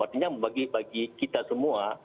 artinya bagi kita semua